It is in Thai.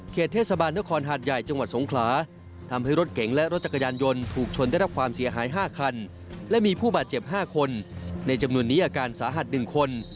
เทศบาลนครหาดใหญ่จังหวัดสงขลาทำให้รถเก๋งและรถจักรยานยนต์ถูกชนได้รับความเสียหาย๕คันและมีผู้บาดเจ็บ๕คนในจำนวนนี้อาการสาหัส๑คน